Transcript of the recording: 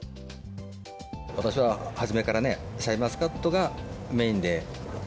私は初めからね、シャインマスカットがメインで。